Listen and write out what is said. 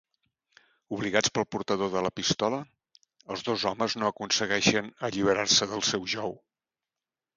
Obligats pel portador de la pistola, els dos homes no aconsegueixen alliberar-se del seu jou.